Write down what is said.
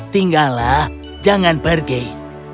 tinggallah jangan pergi